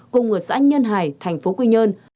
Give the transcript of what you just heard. cùng ở xã nhân hải thành phố quy nhơn